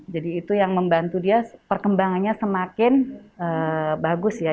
jadi itu yang membantu dia perkembangannya semakin bagus ya